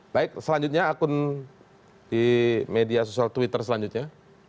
baik selanjutnya akun di media sosial twitter selanjutnya